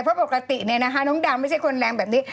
เพราะปกติเนี่ยนะคะน้องดังไม่ใช่คนแรงแบบนี้